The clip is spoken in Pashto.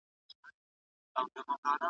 څوک چی خپل کسب پرېږدي دا ور پېښېږي ,